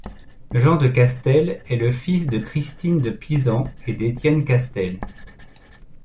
Jean de Castel est le fils de Christine de Pisan et d'Étienne Castel.